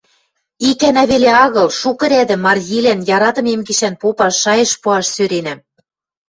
Икӓнӓ веле агыл, шукы рӓдӹ Марйилан яратымем гишӓн попаш, шайышт пуаш сӧренӓм.